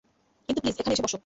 কিন্তু প্লিজ এখানে এসে বসো।